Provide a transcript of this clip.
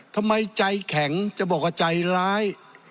ทำไมใจแข็งจะบอกว่าใจร้าย